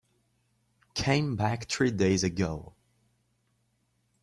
Came back three days ago.